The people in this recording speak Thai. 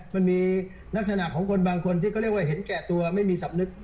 มันมีลักษณะของคนบางคนที่เขาเรียกว่าเห็นแก่ตัวไม่มีสำนึก